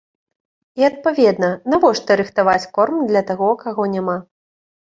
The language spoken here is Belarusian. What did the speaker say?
І, адпаведна, навошта рыхтаваць корм для таго, каго няма?